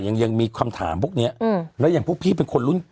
ยังยังมีคำถามพวกเนี้ยอืมแล้วอย่างพวกพี่เป็นคนรุ่น